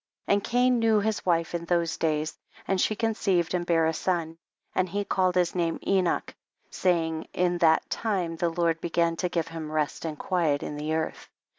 34. And Cain knew his wife in those days, and she conceived and bare a son, and he called his name Enoch, saying, in that time the Lord began to give him rest and quiet in the earth.